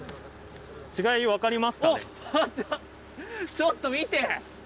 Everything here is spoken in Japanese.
ちょっと見て！